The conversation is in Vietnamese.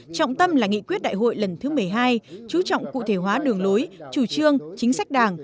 trọng tâm là nghị quyết đại hội lần thứ một mươi hai chú trọng cụ thể hóa đường lối chủ trương chính sách đảng